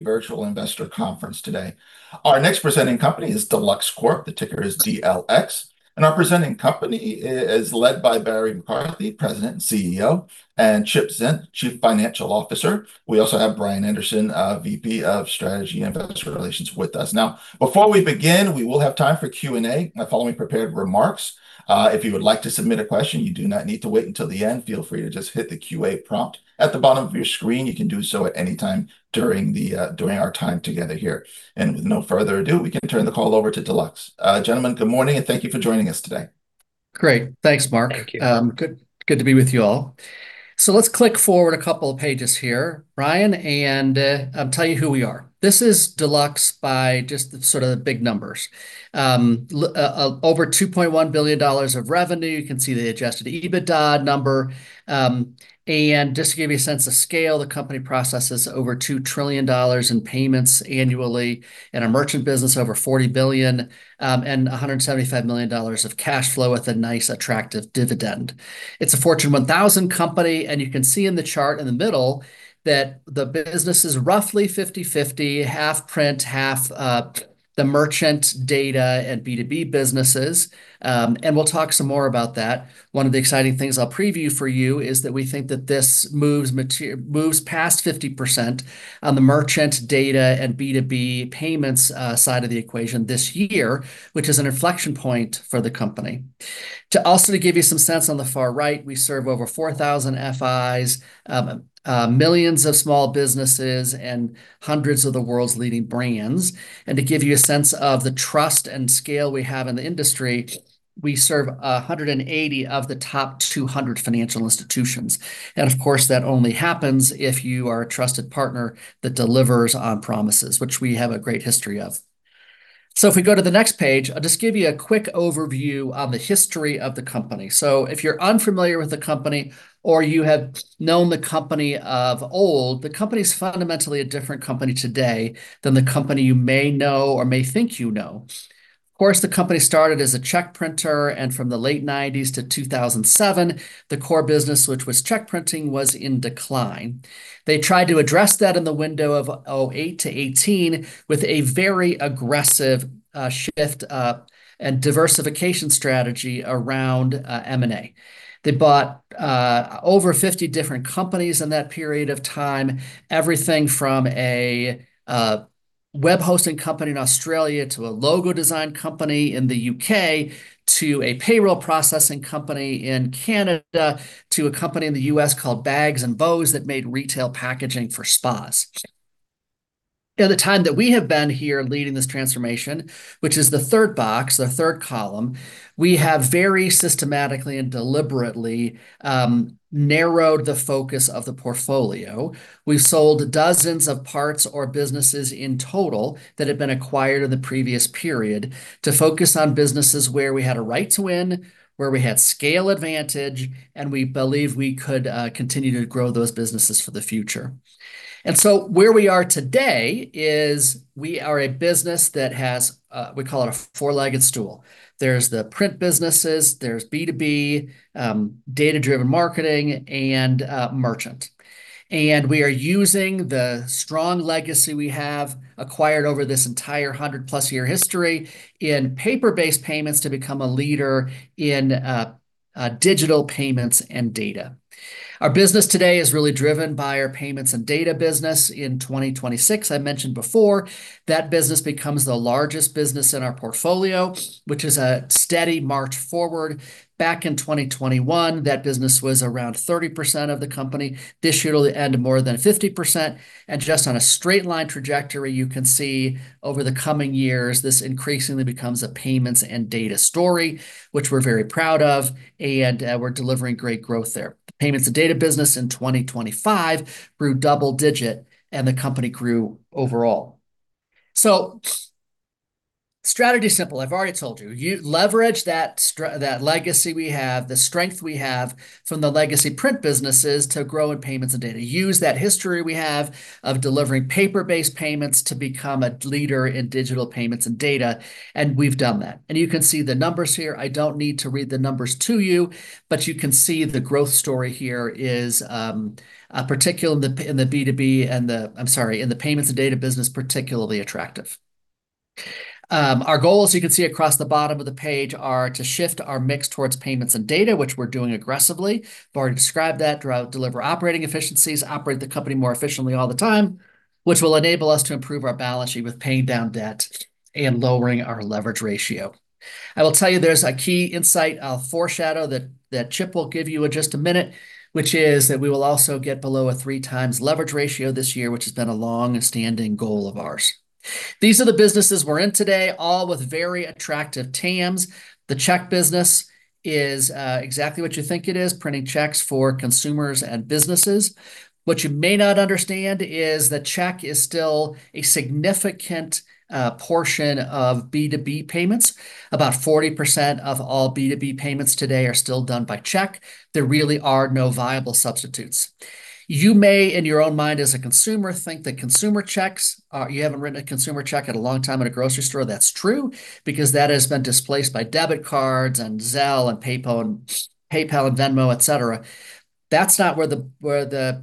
Virtual Investor Conference today. Our next presenting company is Deluxe Corp. The ticker is DLX. Our presenting company is led by Barry McCarthy, President and CEO, and Chip Zint, Chief Financial Officer. We also have Brian Anderson, VP of Strategy and Investor Relations with us. Now, before we begin, we will have time for Q&A following prepared remarks. If you would like to submit a question, you do not need to wait until the end. Feel free to just hit the Q&A prompt at the bottom of your screen. You can do so at any time during our time together here. With no further ado, we can turn the call over to Deluxe. Gentlemen, good morning, and thank you for joining us today. Great. Thanks, Mark. Thank you. Good to be with you all. Let's click forward a couple of pages here, Brian, and tell you who we are. This is Deluxe with just the sort of big numbers. Over $2.1 billion of revenue. You can see the Adjusted EBITDA number. And just to give you a sense of scale, the company processes over $2 trillion in payments annually. In our merchant business, over $40 billion, and $175 million of cash flow with a nice, attractive dividend. It's a Fortune 1000 company, and you can see in the chart in the middle that the business is roughly 50-50, half print, half the merchant data and B2B businesses. We'll talk some more about that. One of the exciting things I'll preview for you is that we think that this moves past 50% on the merchant data and B2B payments side of the equation this year, which is an inflection point for the company. To also to give you some sense on the far right, we serve over 4,000 FIs, millions of small businesses, and hundreds of the world's leading brands. To give you a sense of the trust and scale we have in the industry, we serve 180 of the top 200 financial institutions. Of course, that only happens if you are a trusted partner that delivers on promises, which we have a great history of. If we go to the next page, I'll just give you a quick overview on the history of the company. If you're unfamiliar with the company, or you have known the company of old, the company's fundamentally a different company today than the company you may know or may think you know. Of course, the company started as a check printer, and from the late nineties to 2007, the core business, which was check printing, was in decline. They tried to address that in the window of 2008-2018 with a very aggressive shift and diversification strategy around M&A. They bought over 50 different companies in that period of time, everything from a web hosting company in Australia to a logo design company in the U.K. to a payroll processing company in Canada to a company in the U.S. called Bags & Bows that made retail packaging for spas. In the time that we have been here leading this transformation, which is the third box, the third column, we have very systematically and deliberately narrowed the focus of the portfolio. We've sold dozens of parts or businesses in total that had been acquired in the previous period to focus on businesses where we had a right to win, where we had scale advantage, and we believe we could continue to grow those businesses for the future. Where we are today is we are a business that has, we call it a four-legged stool. There's the print businesses, there's B2B, data-driven marketing, and merchant. We are using the strong legacy we have acquired over this entire 100+ year history in paper-based payments to become a leader in digital payments and data. Our business today is really driven by our payments and data business. In 2026, I mentioned before, that business becomes the largest business in our portfolio, which is a steady march forward. Back in 2021, that business was around 30% of the company. This year it'll end more than 50%. Just on a straight line trajectory, you can see over the coming years, this increasingly becomes a payments and data story, which we're very proud of, and we're delivering great growth there. The payments and data business in 2025 grew double digit, and the company grew overall. Strategy's simple. I've already told you. You leverage that legacy we have, the strength we have from the legacy print businesses to grow in payments and data. Use that history we have of delivering paper-based payments to become a leader in digital payments and data, and we've done that. You can see the numbers here. I don't need to read the numbers to you, but you can see the growth story here is particular in the B2B and the, I'm sorry, in the payments and data business, particularly attractive. Our goal, as you can see across the bottom of the page, are to shift our mix towards payments and data, which we're doing aggressively. I've already described that. Deliver operating efficiencies. Operate the company more efficiently all the time, which will enable us to improve our balance sheet with paying down debt and lowering our leverage ratio. I will tell you, there's a key insight I'll foreshadow that Chip will give you in just a minute, which is that we will also get below a 3x leverage ratio this year, which has been a long-standing goal of ours. These are the businesses we're in today, all with very attractive TAMs. The check business is exactly what you think it is, printing checks for consumers and businesses. What you may not understand is that check is still a significant portion of B2B payments. About 40% of all B2B payments today are still done by check. There really are no viable substitutes. You may, in your own mind as a consumer, think that consumer checks are. You haven't written a consumer check in a long time at a grocery store. That's true because that has been displaced by debit cards and Zelle, and PayPal, and Venmo, et cetera. That's not where the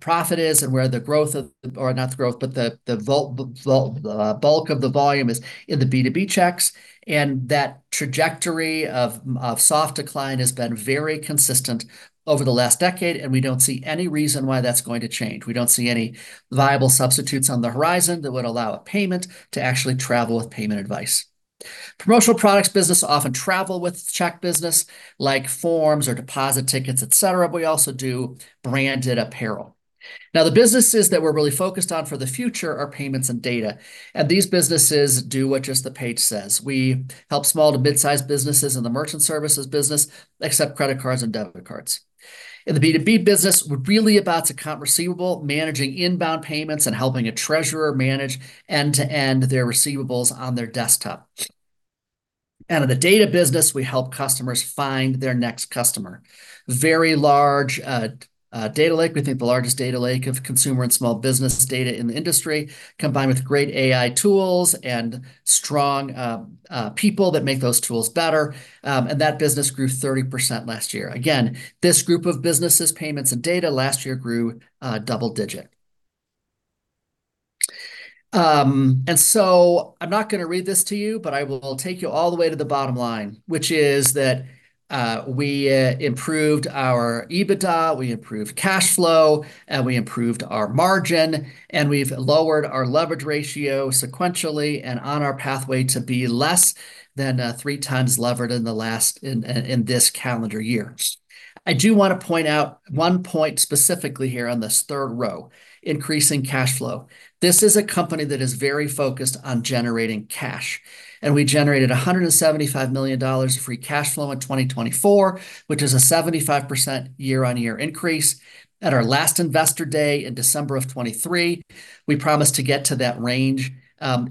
profit is and where the growth, or not the growth, but the bulk of the volume is in the B2B checks, and that trajectory of soft decline has been very consistent over the last decade, and we don't see any reason why that's going to change. We don't see any viable substitutes on the horizon that would allow a payment to actually travel with payment advice. Promotional products business often travel with check business, like forms or deposit tickets, et cetera. We also do branded apparel. Now, the businesses that we're really focused on for the future are payments and data, and these businesses do what just the page says. We help small- to midsize businesses in the Merchant Services business accept credit cards and debit cards. In the B2B business, we're really about accounts receivable, managing inbound payments, and helping a treasurer manage end-to-end their receivables on their desktop. In the data business, we help customers find their next customer. Very large data lake. We think the largest data lake of consumer and small business data in the industry, combined with great AI tools and strong people that make those tools better, and that business grew 30% last year. Again, this group of businesses, payments and data, last year grew double-digit. I'm not gonna read this to you, but I will take you all the way to the bottom line, which is that we improved our EBITDA, we improved cash flow, and we improved our margin, and we've lowered our leverage ratio sequentially and on our pathway to be less than 3x levered in this calendar year. I do wanna point out one point specifically here on this third row, increasing cash flow. This is a company that is very focused on generating cash, and we generated $175 million of free cash flow in 2024, which is a 75% year-on-year increase. At our last investor day in December of 2023, we promised to get to that range by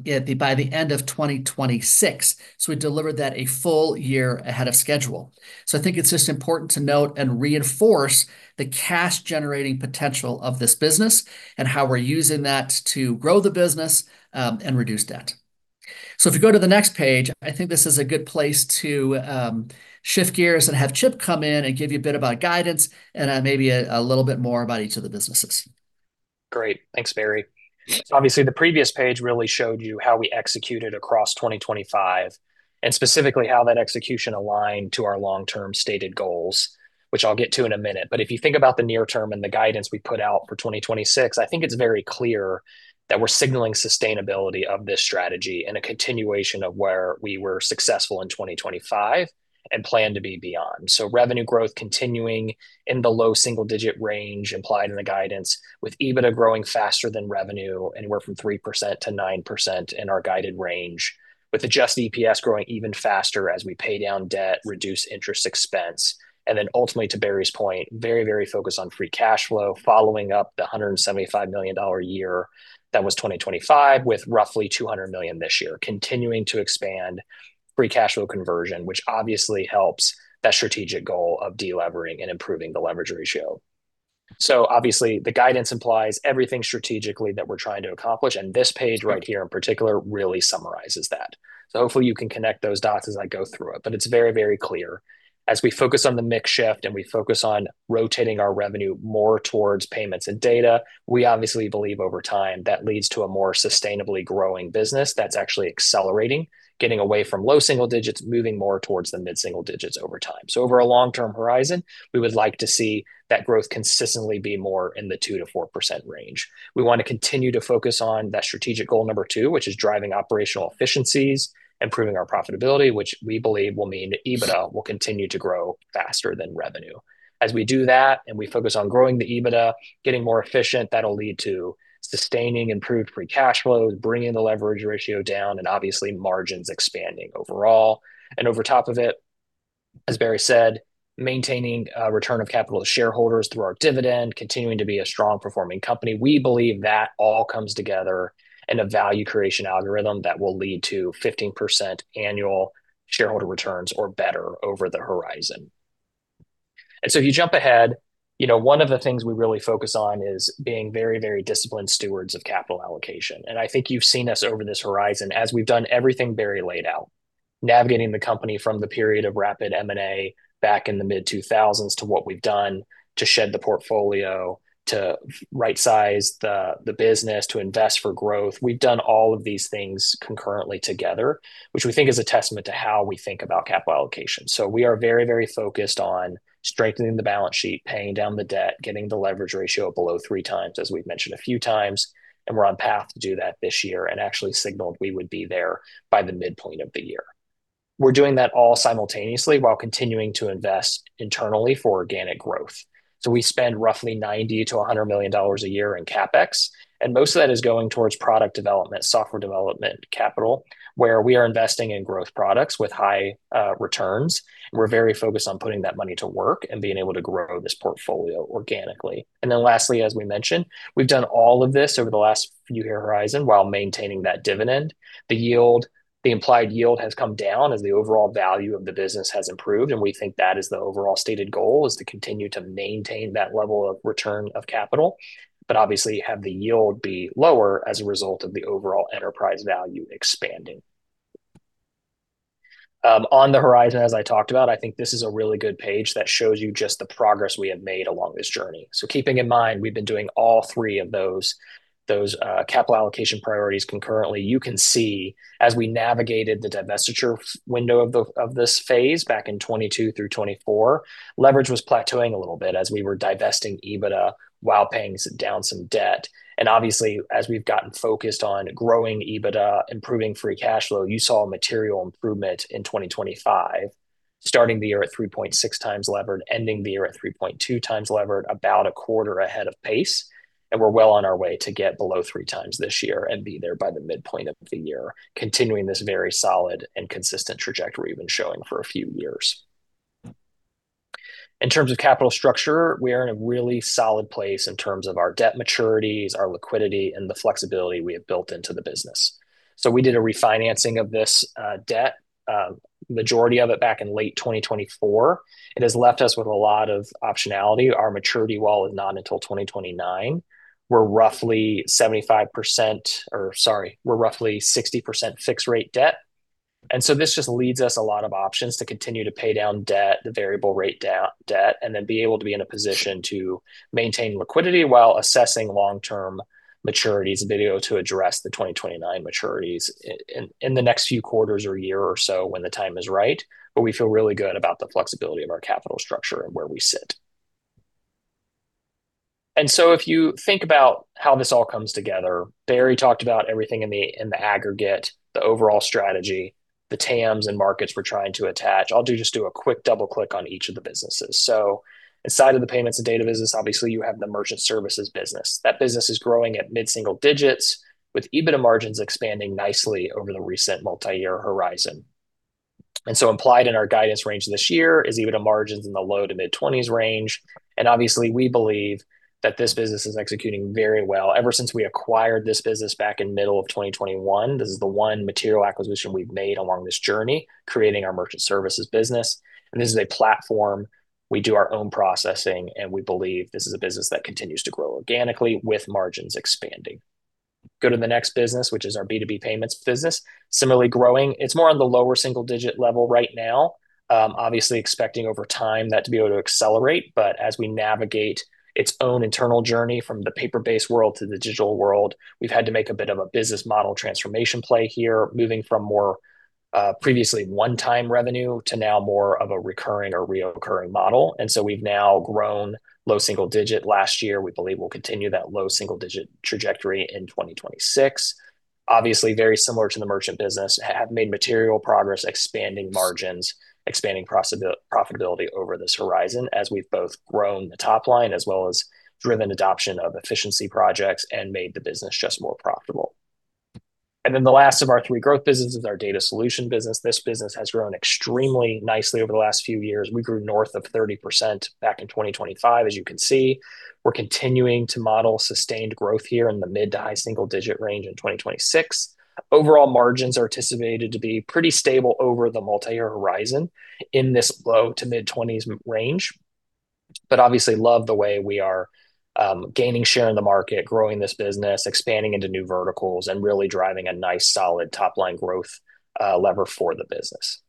the end of 2026. We delivered that a full year ahead of schedule. I think it's just important to note and reinforce the cash-generating potential of this business and how we're using that to grow the business, and reduce debt. If you go to the next page, I think this is a good place to shift gears and have Chip come in and give you a bit about guidance and maybe a little bit more about each of the businesses. Great. Thanks, Barry. Obviously, the previous page really showed you how we executed across 2025 and specifically how that execution aligned to our long-term stated goals, which I'll get to in a minute. If you think about the near term and the guidance we put out for 2026, I think it's very clear that we're signaling sustainability of this strategy and a continuation of where we were successful in 2025 and plan to be beyond. Revenue growth continuing in the low single-digit range implied in the guidance with EBITDA growing faster than revenue, anywhere from 3%-9% in our guided range, with adjusted EPS growing even faster as we pay down debt, reduce interest expense. Then ultimately, to Barry's point, very, very focused on free cash flow following up the $175 million year that was 2025 with roughly $200 million this year, continuing to expand free cash flow conversion, which obviously helps that strategic goal of delevering and improving the leverage ratio. Obviously, the guidance implies everything strategically that we're trying to accomplish, and this page right here in particular really summarizes that. Hopefully you can connect those dots as I go through it, but it's very, very clear. As we focus on the mix shift and we focus on rotating our revenue more towards payments and data, we obviously believe over time that leads to a more sustainably growing business that's actually accelerating, getting away from low single digits, moving more towards the mid single digits over time. Over a long-term horizon, we would like to see that growth consistently be more in the 2%-4% range. We wanna continue to focus on that strategic goal number two, which is driving operational efficiencies, improving our profitability, which we believe will mean EBITDA will continue to grow faster than revenue. As we do that and we focus on growing the EBITDA, getting more efficient, that'll lead to sustaining improved free cash flows, bringing the leverage ratio down, and obviously margins expanding overall. Over top of it, as Barry said, maintaining return of capital to shareholders through our dividend, continuing to be a strong-performing company. We believe that all comes together in a value creation algorithm that will lead to 15% annual shareholder returns or better over the horizon. If you jump ahead, you know, one of the things we really focus on is being very, very disciplined stewards of capital allocation. I think you've seen us over this horizon as we've done everything Barry laid out. Navigating the company from the period of rapid M&A back in the mid-2000s to what we've done to shed the portfolio, to right-size the business, to invest for growth. We've done all of these things concurrently together, which we think is a testament to how we think about capital allocation. We are very, very focused on strengthening the balance sheet, paying down the debt, getting the leverage ratio below three times, as we've mentioned a few times, and we're on path to do that this year and actually signaled we would be there by the midpoint of the year. We're doing that all simultaneously while continuing to invest internally for organic growth. We spend roughly $90 million-$100 million a year in CapEx, and most of that is going towards product development, software development, capital, where we are investing in growth products with high returns. We're very focused on putting that money to work and being able to grow this portfolio organically. Lastly, as we mentioned, we've done all of this over the last few year horizon while maintaining that dividend. The implied yield has come down as the overall value of the business has improved, and we think that is the overall stated goal is to continue to maintain that level of return of capital, but obviously have the yield be lower as a result of the overall enterprise value expanding. On the horizon, as I talked about, I think this is a really good page that shows you just the progress we have made along this journey. Keeping in mind we've been doing all three of those capital allocation priorities concurrently, you can see as we navigated the divestiture window of this phase back in 2022 through 2024, leverage was plateauing a little bit as we were divesting EBITDA while paying down some debt. Obviously, as we've gotten focused on growing EBITDA, improving free cash flow, you saw a material improvement in 2025, starting the year at 3.6x levered, ending the year at 3.2x levered, about a quarter ahead of pace. We're well on our way to get below 3x this year and be there by the midpoint of the year, continuing this very solid and consistent trajectory we've been showing for a few years. In terms of capital structure, we are in a really solid place in terms of our debt maturities, our liquidity, and the flexibility we have built into the business. We did a refinancing of this debt, majority of it back in late 2024. It has left us with a lot of optionality. Our maturity wall is not until 2029. We're roughly 75%... Sorry, we're roughly 60% fixed rate debt. This just leaves us a lot of options to continue to pay down debt, the variable rate debt, and then be able to be in a position to maintain liquidity while assessing long-term maturities and be able to address the 2029 maturities in the next few quarters or year or so when the time is right. We feel really good about the flexibility of our capital structure and where we sit. If you think about how this all comes together, Barry talked about everything in the aggregate, the overall strategy, the TAMs and markets we're trying to attach. I'll just do a quick double-click on each of the businesses. Inside of the Payments and Data business, obviously you have the Merchant Services business. That business is growing at mid-single digits% with EBITDA margins expanding nicely over the recent multi-year horizon. Implied in our guidance range this year is EBITDA margins in the low- to mid-20s% range. Obviously, we believe that this business is executing very well. Ever since we acquired this business back in middle of 2021, this is the one material acquisition we've made along this journey, creating our Merchant Services business. This is a platform, we do our own processing, and we believe this is a business that continues to grow organically with margins expanding. Go to the next business, which is our B2B payments business. Similarly growing, it's more on the lower single-digit level right now. Obviously expecting over time that to be able to accelerate, but as we navigate its own internal journey from the paper-based world to the digital world, we've had to make a bit of a business model transformation play here, moving from more previously one-time revenue to now more of a recurring or reoccurring model. We've now grown low single digit last year. We believe we'll continue that low single digit trajectory in 2026. Obviously, very similar to the merchant business. We have made material progress expanding margins, expanding profitability over this horizon as we've both grown the top line as well as driven adoption of efficiency projects and made the business just more profitable. The last of our three growth business is our Data Solutions business. This business has grown extremely nicely over the last few years. We grew north of 30% back in 2025, as you can see. We're continuing to model sustained growth here in the mid- to high-single-digit range in 2026. Overall margins are anticipated to be pretty stable over the multi-year horizon in this low- to mid-20s range. Obviously we love the way we are gaining share in the market, growing this business, expanding into new verticals, and really driving a nice solid top-line growth lever for the business.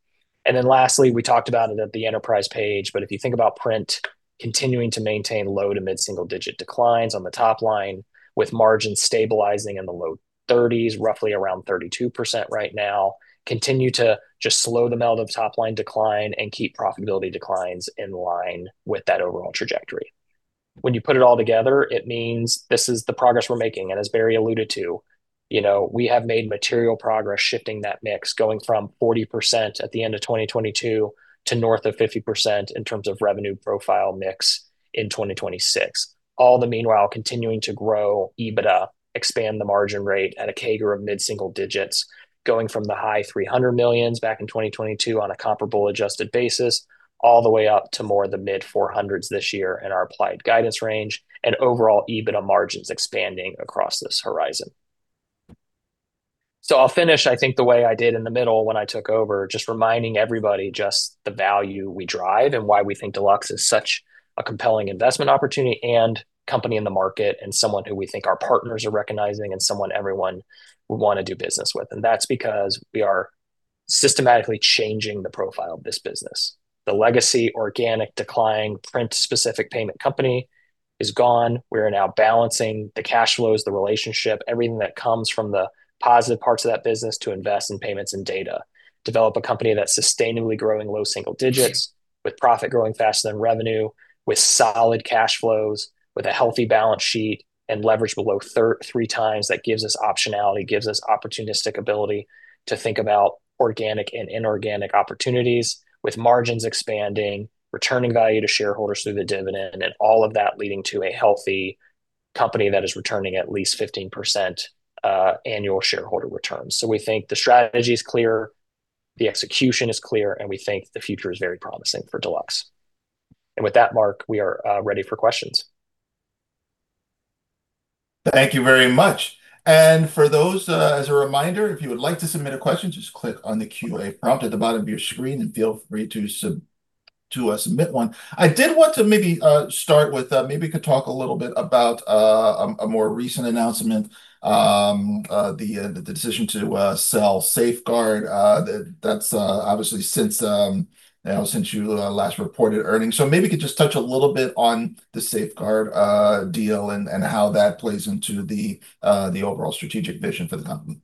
Then lastly, we talked about it at the enterprise page, if you think about print continuing to maintain low- to mid-single-digit declines on the top line with margins stabilizing in the low 30s, roughly around 32% right now, continue to just slow the amount of top-line decline and keep profitability declines in line with that overall trajectory. When you put it all together, it means this is the progress we're making. As Barry alluded to, you know, we have made material progress shifting that mix, going from 40% at the end of 2022 to north of 50% in terms of revenue profile mix in 2026. All the meanwhile, continuing to grow EBITDA, expand the margin rate at a CAGR of mid-single digits, going from the high $300 million back in 2022 on a comparable adjusted basis, all the way up to more the mid-$400 million this year in our implied guidance range and overall EBITDA margins expanding across this horizon. I'll finish, I think, the way I did in the middle when I took over, just reminding everybody just the value we drive and why we think Deluxe is such a compelling investment opportunity and company in the market, and someone who we think our partners are recognizing and someone everyone would wanna do business with. That's because we are systematically changing the profile of this business. The legacy, organic, declining, print-specific payment company is gone. We are now balancing the cash flows, the relationship, everything that comes from the positive parts of that business to invest in payments and data, develop a company that's sustainably growing low single digits with profit growing faster than revenue, with solid cash flows, with a healthy balance sheet and leverage below 3x. That gives us optionality, gives us opportunistic ability to think about organic and inorganic opportunities with margins expanding, returning value to shareholders through the dividend, and all of that leading to a healthy company that is returning at least 15%, annual shareholder returns. We think the strategy is clear, the execution is clear, and we think the future is very promising for Deluxe. With that, Mark, we are ready for questions. Thank you very much. For those, as a reminder, if you would like to submit a question, just click on the QA prompt at the bottom of your screen and feel free to submit one. I did want to maybe start with, maybe you could talk a little bit about a more recent announcement, the decision to sell Safeguard. That's obviously since you know, since you last reported earnings. Maybe you could just touch a little bit on the Safeguard deal and how that plays into the overall strategic vision for the company.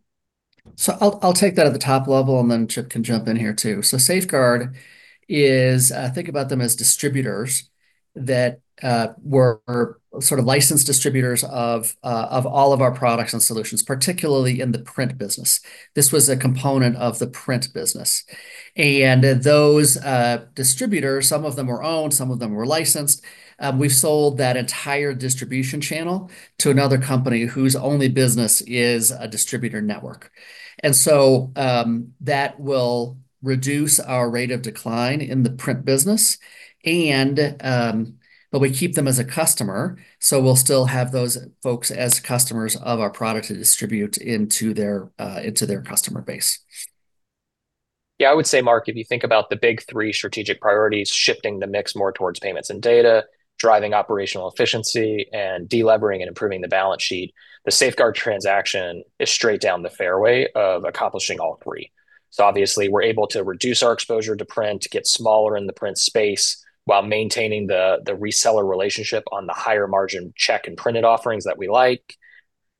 I'll take that at the top level, and then Chip can jump in here too. Safeguard is, think about them as distributors that were sort of licensed distributors of of all of our products and solutions, particularly in the print business. This was a component of the print business. Those distributors, some of them were owned, some of them were licensed. We've sold that entire distribution channel to another company whose only business is a distributor network. That will reduce our rate of decline in the print business and but we keep them as a customer, so we'll still have those folks as customers of our product to distribute into their into their customer base. Yeah, I would say, Mark, if you think about the big three strategic priorities, shifting the mix more towards payments and data, driving operational efficiency, and de-levering and improving the balance sheet, the Safeguard transaction is straight down the fairway of accomplishing all three. So obviously we're able to reduce our exposure to print, get smaller in the print space, while maintaining the reseller relationship on the higher margin check and printed offerings that we like.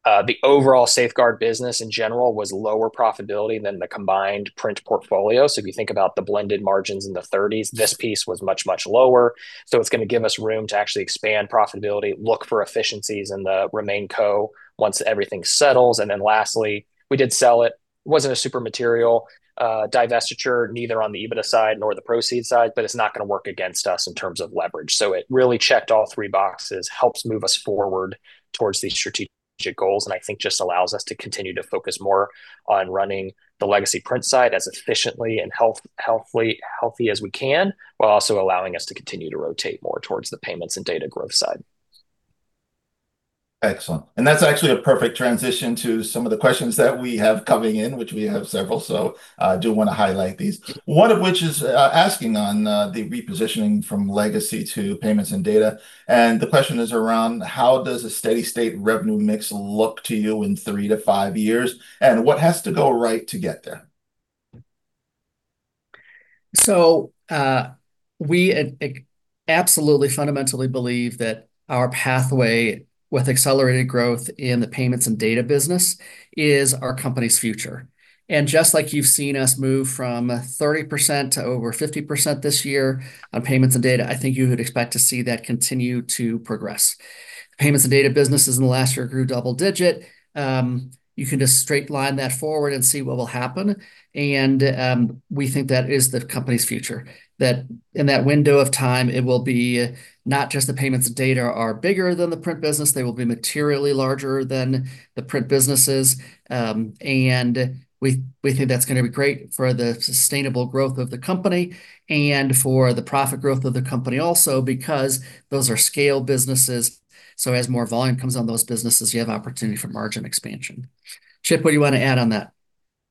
The overall Safeguard business in general was lower profitability than the combined print portfolio. So if you think about the blended margins in the 30s, this piece was much, much lower, so it's gonna give us room to actually expand profitability, look for efficiencies in the remaining company once everything settles. Then lastly, we did sell it. It wasn't a super material divestiture, neither on the EBITDA side nor the proceeds side, but it's not gonna work against us in terms of leverage. It really checked all three boxes, helps move us forward towards these strategic goals and I think just allows us to continue to focus more on running the legacy print side as efficiently and healthy as we can, while also allowing us to continue to rotate more towards the payments and data growth side. Excellent. That's actually a perfect transition to some of the questions that we have coming in, which we have several, so I do wanna highlight these. One of which is asking on the repositioning from legacy to payments and data, and the question is around. How does a steady state revenue mix look to you in three to five years, and what has to go right to get there? We absolutely fundamentally believe that our pathway with accelerated growth in the payments and data business is our company's future. Just like you've seen us move from 30% to over 50% this year on payments and data, I think you would expect to see that continue to progress. The payments and data businesses in the last year grew double-digit. You can just straight line that forward and see what will happen. We think that is the company's future. That in that window of time it will be not just the payments and data are bigger than the print business, they will be materially larger than the print businesses. We think that's gonna be great for the sustainable growth of the company and for the profit growth of the company also because those are scale businesses, so as more volume comes on those businesses, you have opportunity for margin expansion. Chip, what do you want to add on that?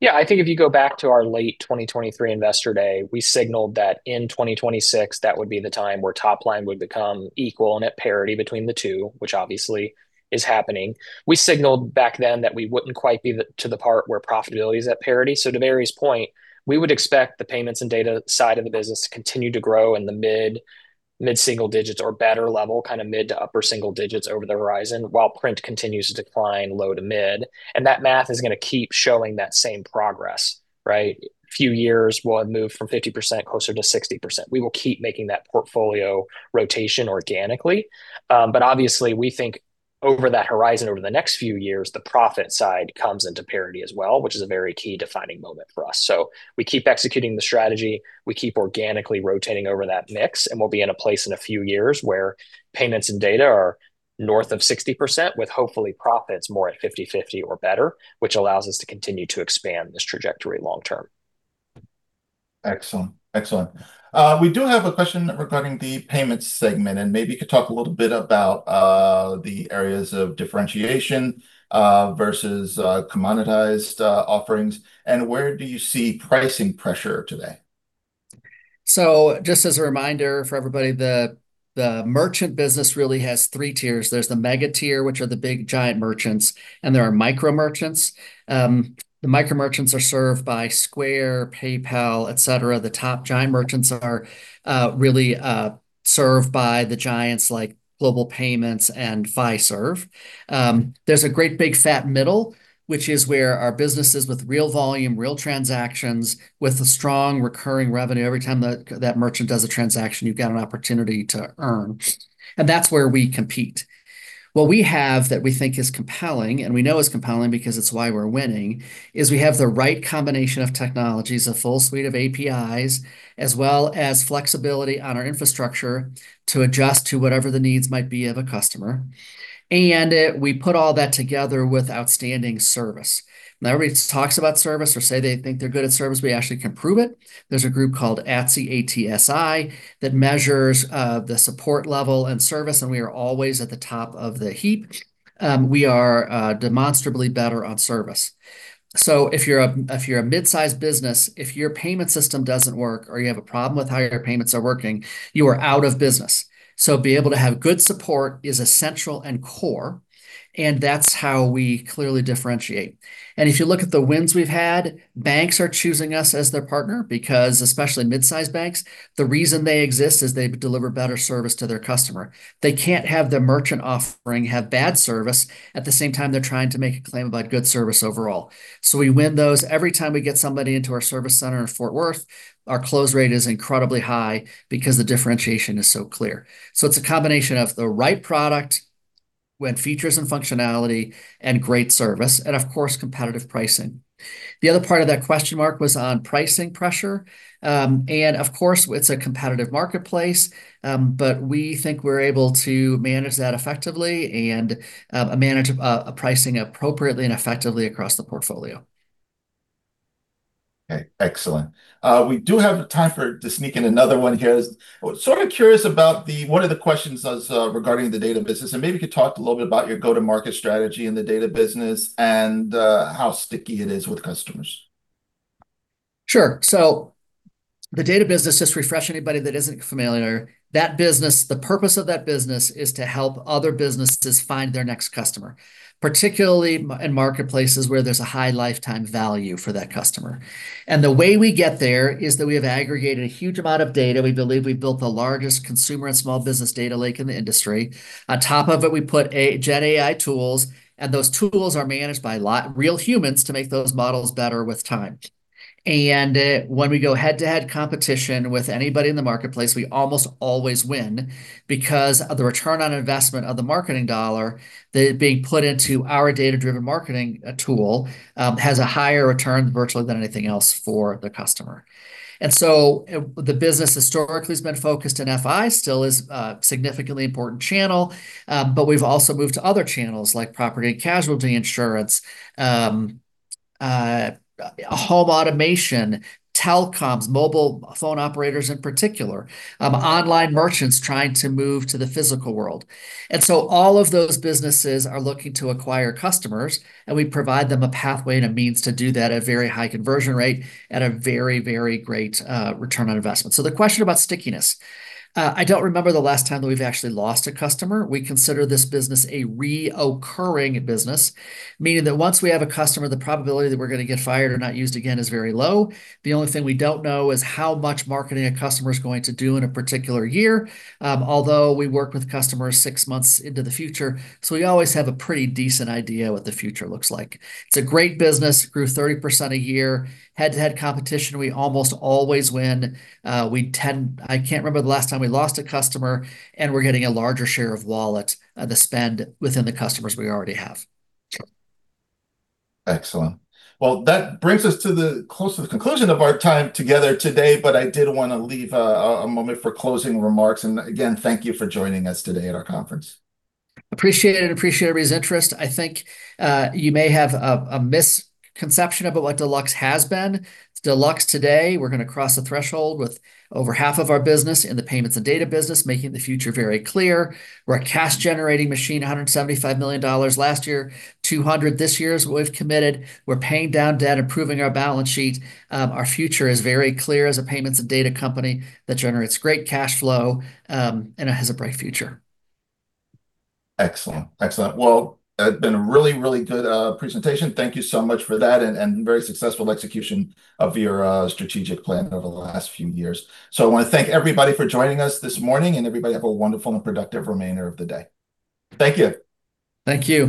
Yeah. I think if you go back to our late 2023 investor day, we signaled that in 2026 that would be the time where top line would become equal and at parity between the two, which obviously is happening. We signaled back then that we wouldn't quite be to the part where profitability is at parity. To Barry's point, we would expect the payments and data side of the business to continue to grow in the mid-single digits or better level, kind of mid- to upper-single digits% over the horizon, while print continues to decline low- to mid-single digits%. That math is gonna keep showing that same progress, right? A few years we'll have moved from 50% closer to 60%. We will keep making that portfolio rotation organically. Obviously we think over that horizon, over the next few years, the profit side comes into parity as well, which is a very key defining moment for us. We keep executing the strategy, we keep organically rotating over that mix, and we'll be in a place in a few years where payments and data are north of 60% with hopefully profits more at 50/50 or better, which allows us to continue to expand this trajectory long-term. Excellent. We do have a question regarding the payments segment, and maybe you could talk a little bit about the areas of differentiation versus commoditized offerings, and where do you see pricing pressure today? Just as a reminder for everybody, the merchant business really has three tiers. There's the mega tier, which are the big giant merchants, and there are micro merchants. The micro merchants are served by Square, PayPal, et cetera. The top giant merchants are really served by the giants like Global Payments and Fiserv. There's a great big fat middle, which is where our businesses with real volume, real transactions, with a strong recurring revenue, every time that merchant does a transaction, you've got an opportunity to earn, and that's where we compete. What we have that we think is compelling, and we know is compelling because it's why we're winning, is we have the right combination of technologies, a full suite of APIs, as well as flexibility on our infrastructure to adjust to whatever the needs might be of a customer. We put all that together with outstanding service. Everybody talks about service or say they think they're good at service, we actually can prove it. There's a group called ATSI, A-T-S-I, that measures the support level and service, and we are always at the top of the heap. We are demonstrably better on service. If you're a mid-sized business, if your payment system doesn't work or you have a problem with how your payments are working, you are out of business. Being able to have good support is essential and core, and that's how we clearly differentiate. If you look at the wins we've had, banks are choosing us as their partner because, especially mid-sized banks, the reason they exist is they deliver better service to their customer. They can't have their merchant offering have bad service at the same time they're trying to make a claim about good service overall. We win those. Every time we get somebody into our service center in Fort Worth, our close rate is incredibly high because the differentiation is so clear. It's a combination of the right product with features and functionality and great service and, of course, competitive pricing. The other part of that question mark was on pricing pressure. And of course, it's a competitive marketplace, but we think we're able to manage that effectively, and manage pricing appropriately and effectively across the portfolio. Okay. Excellent. We do have the time to sneak in another one here. Sort of curious about one of the questions was, regarding the data business, and maybe you could talk a little bit about your go-to-market strategy in the data business and how sticky it is with customers. Sure. The data business, just to refresh anybody that isn't familiar, that business, the purpose of that business is to help other businesses find their next customer, particularly in marketplaces where there's a high lifetime value for that customer. The way we get there is that we have aggregated a huge amount of data. We believe we've built the largest consumer and small business data lake in the industry. On top of it, we put a GenAI tools, and those tools are managed by real humans to make those models better with time. When we go head-to-head competition with anybody in the marketplace, we almost always win because of the return on investment of the marketing dollar that, being put into our data-driven marketing, tool, has a higher return virtually than anything else for the customer. The business historically has been focused, and FI still is a significantly important channel. We've also moved to other channels like property and casualty insurance, home automation, telecoms, mobile phone operators in particular, online merchants trying to move to the physical world. All of those businesses are looking to acquire customers, and we provide them a pathway and a means to do that at a very high conversion rate at a very, very great return on investment. The question about stickiness. I don't remember the last time that we've actually lost a customer. We consider this business a recurring business, meaning that once we have a customer, the probability that we're gonna get fired or not used again is very low. The only thing we don't know is how much marketing a customer is going to do in a particular year, although we work with customers six months into the future, so we always have a pretty decent idea what the future looks like. It's a great business. Grew 30% a year. Head-to-head competition, we almost always win. I can't remember the last time we lost a customer, and we're getting a larger share of wallet, the spend within the customers we already have. Excellent. Well, that brings us to the close, the conclusion of our time together today. I did want to leave a moment for closing remarks. Again, thank you for joining us today at our conference. Appreciate it. Appreciate everybody's interest. I think you may have a misconception about what Deluxe has been. Deluxe today, we're gonna cross the threshold with over half of our business in the payments and data business, making the future very clear. We're a cash-generating machine, $175 million last year, $200 million this year is what we've committed. We're paying down debt, improving our balance sheet. Our future is very clear as a payments and data company that generates great cash flow, and it has a bright future. Excellent. Excellent. Well, it's been a really, really good presentation. Thank you so much for that and very successful execution of your strategic plan over the last few years. I wanna thank everybody for joining us this morning, and everybody have a wonderful and productive remainder of the day. Thank you. Thank you.